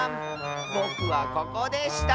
ぼくはここでした！